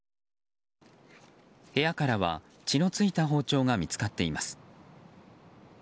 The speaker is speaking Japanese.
部屋からは血の付いた包丁が見つかっています。